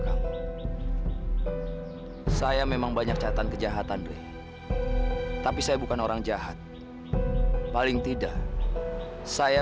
kau saya memang banyak catatan kejahatan deh tapi saya bukan orang jahat paling tidak saya